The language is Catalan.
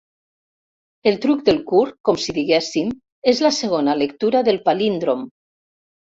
El truc del curt, com si diguéssim, és la segona lectura del palíndrom.